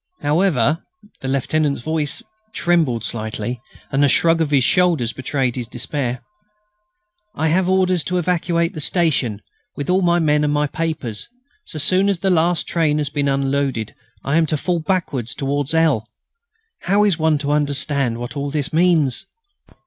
However" the lieutenant's voice trembled slightly, and the shrug of his shoulders betrayed his despair "I have orders to evacuate the station, with all my men and my papers, so soon as the last train has been unloaded. I am to fall back towards L. How is one to understand what all this means?"